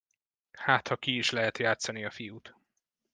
Hátha ki is lehet játszani a fiút.